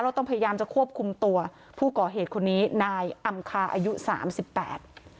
ต้องพยายามจะควบคุมตัวผู้ก่อเหตุคนนี้นายอำคาอายุสามสิบแปด